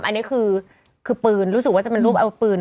อันนี้คือปืนรู้สึกว่าจะเป็นรูปอาวุธปืน